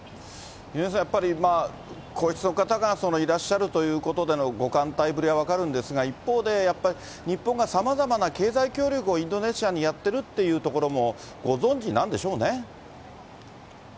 井上さん、やっぱり皇室の方がいらっしゃるということでのは分かるんですが、一方でやっぱり、日本がさまざまな経済協力をインドネシアにやってるっていうところもご存じなんでしょうね。